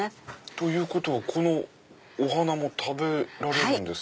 ということはこのお花も食べられるんですか？